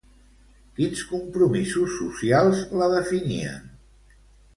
Quins compromisos socials la definien?